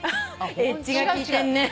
エッジが効いてんねー。